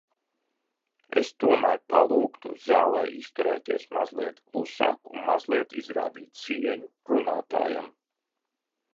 Es tomēr palūgtu zālē izturēties mazliet klusāk un mazliet izrādīt cieņu runātājam.